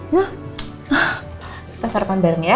kita sarapan bareng ya